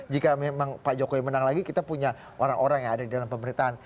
jika memang pak jokowi menang lagi kita punya orang orang yang ada di dalam pemerintahan